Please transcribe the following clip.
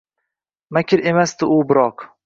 Makr emasdi u biroq.